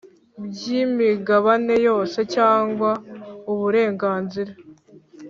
By imigabane yose cyangwa uburenganzira